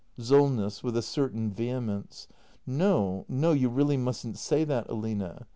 Solness. [With a certain vehemence.] No, no, you really mustn't say that, Aline!